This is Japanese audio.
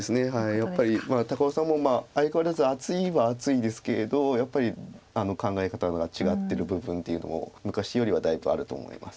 やっぱり高尾さんも相変わらず厚いは厚いですけれどやっぱり考え方が違ってる部分っていうのも昔よりはだいぶあると思います。